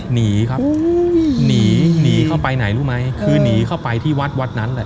หนีครับหนีหนีเข้าไปไหนรู้ไหมคือหนีเข้าไปที่วัดวัดนั้นแหละ